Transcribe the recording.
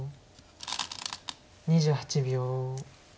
２８秒。